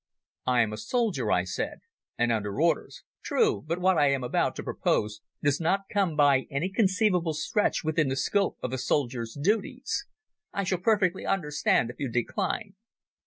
"I am a soldier," I said, "and under orders." "True; but what I am about to propose does not come by any conceivable stretch within the scope of a soldier's duties. I shall perfectly understand if you decline.